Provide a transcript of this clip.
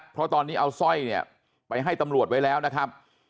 เพราะตอนนี้เอาสร้อยเนี่ยไปให้ตำรวจไว้แล้วนะครับ